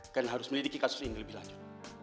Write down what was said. karena harus melidiki kasus ini lebih lanjut